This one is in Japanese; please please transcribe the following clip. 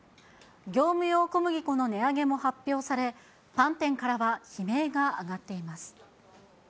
業務用小麦粉の値上げも発表され、パン店からは悲鳴が上がっています。